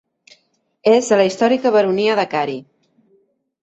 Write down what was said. És a la històrica baronia de Cary.